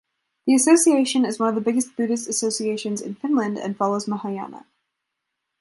The association is one of the biggest Buddhist associations in Finland and follows Mahayana.